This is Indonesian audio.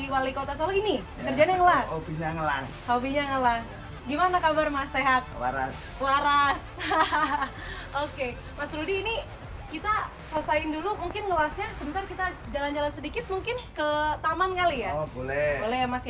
wali kota solo ini kerjaan yang ngelas hobinya ngelas hobinya ngelas gimana kabar mas sehat waras waras hahaha oke mas rudy ini kita selesaiin dulu mungkin ngelasnya sebentar kita jalan jalan sedikit mungkin ke taman kali ya boleh boleh mas ya